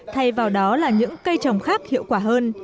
thay vào đó là những cây trồng khác hiệu quả hơn